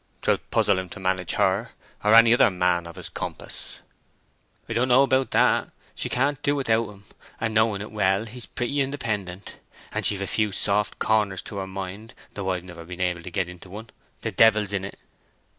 "'Twill puzzle him to manage her, or any other man of his compass!" "I don't know about that. She can't do without him, and knowing it well he's pretty independent. And she've a few soft corners to her mind, though I've never been able to get into one, the devil's in't!"